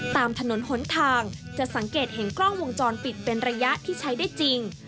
ตามถนนหนทางจะสังเกตเห็นกล้องวงจรปิดเป็นระยะที่ใช้ได้จริง